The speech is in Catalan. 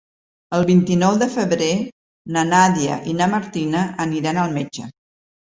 El vint-i-nou de febrer na Nàdia i na Martina aniran al metge.